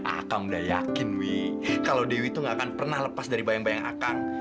akang udah yakin wi kalau dewi tuh nggak akan pernah lepas dari bayang bayang akang